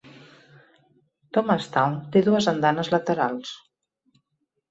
Thomastown té dues andanes laterals.